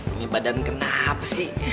ini badan kenapa sih